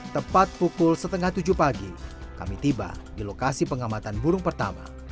tepat pukul setengah tujuh pagi kami tiba di lokasi pengamatan burung pertama